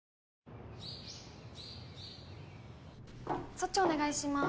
そっちお願いします。